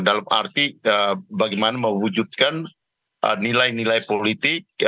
dalam arti bagaimana mewujudkan nilai nilai politik